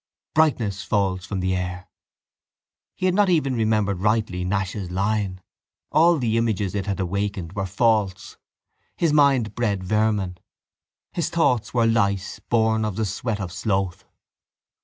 Brightness falls from the air. He had not even remembered rightly Nash's line. All the images it had awakened were false. His mind bred vermin. His thoughts were lice born of the sweat of sloth.